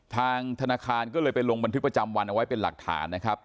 ทางธนาคารก็เลยไปลงบันทึกประจำวันเอาไว้เป็นหลักฐานนะครับ